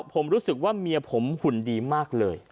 ผมรู้สึกว่าเมียผมหุ่นดีมากเลย